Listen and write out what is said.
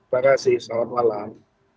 terima kasih selamat malam